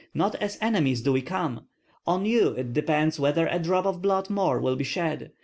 Not as enemies do we come. On you it depends whether a drop of blood more will be shed.